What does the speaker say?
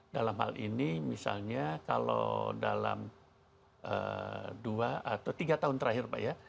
dalam hal ini misalnya kalau dalam dua atau tiga tahun terakhir pak ya